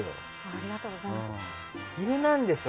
ありがとうございます。